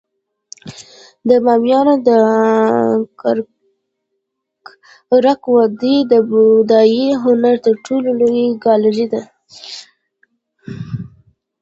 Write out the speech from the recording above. د بامیانو د ککرک وادي د بودايي هنر تر ټولو لوی ګالري ده